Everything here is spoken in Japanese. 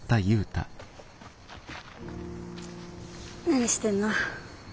何してんの？